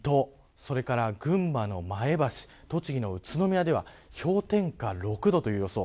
それから、群馬の前橋栃木の宇都宮では氷点下６度という予想。